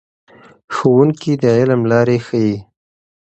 ښوونکي د علم لارې ښیي.